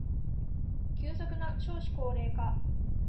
急速な少子高齢化